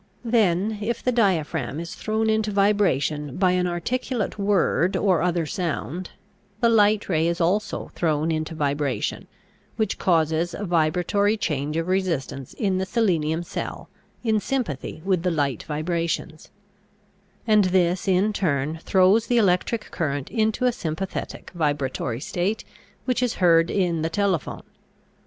Then, if the diaphragm is thrown into vibration by an articulate word or other sound, the light ray is also thrown into vibration, which causes a vibratory change of resistance in the selenium cell in sympathy with the light vibrations; and this in turn throws the electric current into a sympathetic vibratory state which is heard in the telephone.